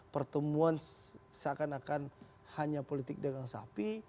pertemuan seakan akan hanya politik dagang sapi